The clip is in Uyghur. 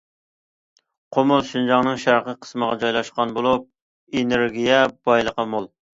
قۇمۇل شىنجاڭنىڭ شەرقىي قىسمىغا جايلاشقان بولۇپ، ئېنېرگىيە بايلىقى مول.